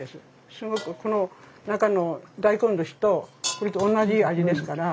すごくこの中の大根ずしとこれと同じ味ですから。